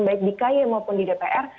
baik di kaye maupun di dpr